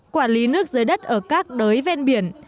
quản lý nước dưới đất ở các đới ven biển